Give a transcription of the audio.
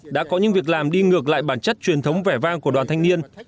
đã có những việc làm đi ngược lại bản chất truyền thống vẻ vang của đoàn thanh niên